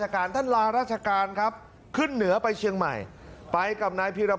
อย่างที่สุดท้ายสร้างชาติกันบ้างครับผลเอกประยุจจันทร์โอชาญนายกัธมนตรีนะครับ